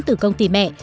từ công ty mẹ